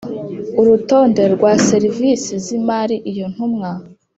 Urutonde rwa serivisi z imari iyo Ntumwa